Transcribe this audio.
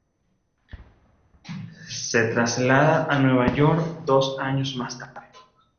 Se traslada a Nueva York dos años más tarde.